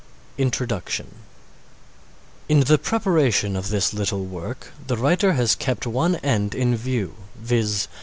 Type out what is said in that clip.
INTRODUCTION In the preparation of this little work the writer has kept one end in view, viz.